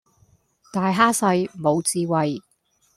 大蝦細，無智慧